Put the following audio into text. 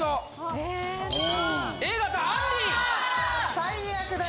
最悪だよ！